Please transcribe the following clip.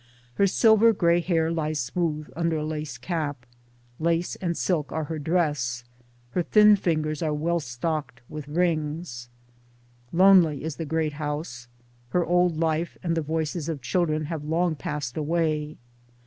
Her silver grey hair lies smooth under a lace cap; lace and silk are her dress, her thin fingers are well stocked with rings. Lonely is the great house; her old life and the voices of children have long passed away.